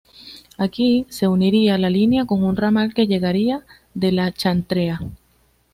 Aquí, se uniría la línea con un ramal que llegaría de la Chantrea.